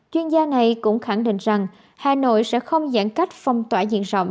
chuyên gia này cũng khẳng định rằng hà nội sẽ không giãn cách phong tỏa diện rộng